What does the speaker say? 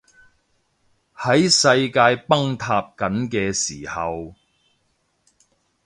喺世界崩塌緊嘅時候